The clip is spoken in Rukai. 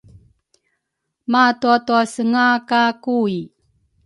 matuatausenga ka Kui.